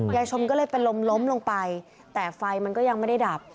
ยายชมก็เลยเป็นลมล้มลงไปแต่ไฟมันก็ยังไม่ได้ดับ